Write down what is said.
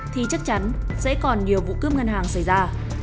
thì chắc chắn sẽ còn nhiều vụ cướp ngân hàng xảy ra